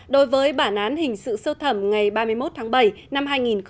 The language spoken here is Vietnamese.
đối với bản án hình sự sơ thẩm ngày ba mươi một tháng bảy năm hai nghìn một mươi chín